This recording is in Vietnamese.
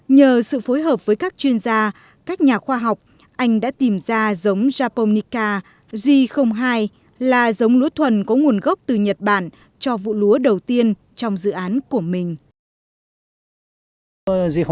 nhờ sự phối hợp với các chuyên gia các nhà khoa học anh đã tìm ra giống japonica g hai là giống lúa thuần có nguồn gốc từ nhật bản cho vụ lúa đầu tiên trong dự án của mình